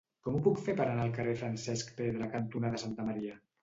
Com ho puc fer per anar al carrer Francesc Pedra cantonada Santa Maria?